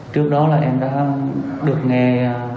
trước đó là em đã được nghe